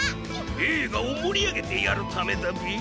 えいがをもりあげてやるためだビ。